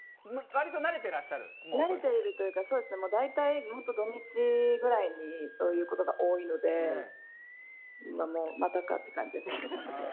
慣れているというか大体、土日ぐらいにそういうことが多いのでまたかっていう感じですね。